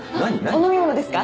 お飲み物ですか？